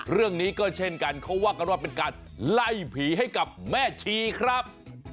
เรื่องนี้ก็เช่นกันเขาว่ากันว่าเป็นการไล่ผีให้กับแม่ชีครับ